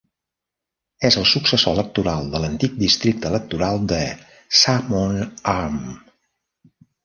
És el successor electoral de l'antic districte electoral de Salmon Arm.